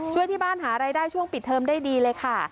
ช่วยที่บ้านหารายได้ช่วงปิดเทอมได้ดีเลยค่ะ